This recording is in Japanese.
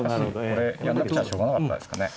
これやんなくちゃしょうがなかったですかね。